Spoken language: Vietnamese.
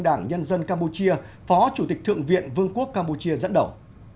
đảng nhân dân campuchia phó chủ tịch thượng viện vương quốc campuchia dẫn đầu